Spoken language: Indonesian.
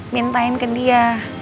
mintain ke dia